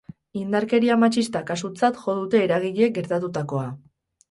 Indarkeria matxista kasutzat jo dute eragileek gertatutakoa.